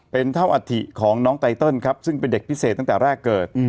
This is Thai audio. เป็นเท่าอัฐิของน้องไตเติลครับซึ่งเป็นเด็กพิเศษตั้งแต่แรกเกิด